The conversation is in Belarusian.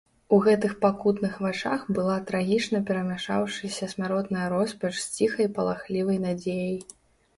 У гэтых пакутных вачах была трагічна перамяшаўшыся смяротная роспач з ціхай палахлівай надзеяй.